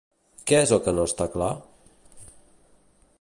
Què és el que no està clar?